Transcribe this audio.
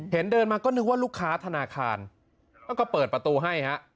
เดินมาก็นึกว่าลูกค้าธนาคารก็เปิดประตูให้ฮะ